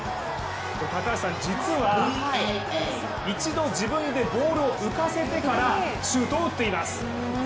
実は一度自分でボールを浮かせてからシュートを打っています。